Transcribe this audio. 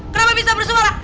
kenapa bisa bersualah